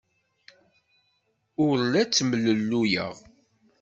Ur la ttemlelluyeɣ.